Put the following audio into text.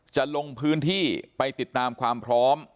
จะลงพื้นที่ไปติดตามความพร้อม